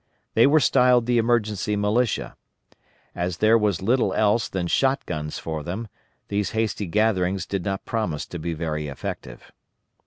They were styled the emergency militia. As there was little else than shot guns for them, these hasty gatherings did not promise to be very effective.